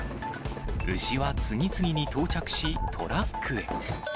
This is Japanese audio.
牛は次々に到着し、トラックへ。